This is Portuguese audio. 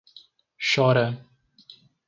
Chora